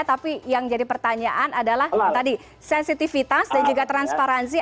tapi yang jadi pertanyaan adalah tadi sensitivitas dan juga transparansi